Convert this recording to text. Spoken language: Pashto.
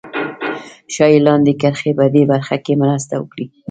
ښایي لاندې کرښې په دې برخه کې مرسته وکړي